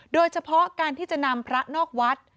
โดยเฉพาะการที่จะนำพระนอกวัด